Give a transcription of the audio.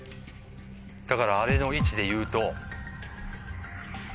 だからあれの位置でいうと。